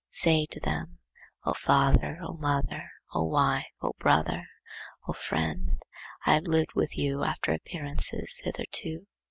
Say to them, 'O father, O mother, O wife, O brother, O friend, I have lived with you after appearances hitherto.